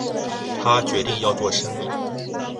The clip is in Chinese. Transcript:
他决定要做生意